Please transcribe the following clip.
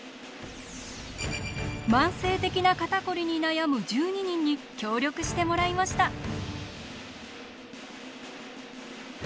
慢性的な肩こりに悩む１２人に協力してもらいました。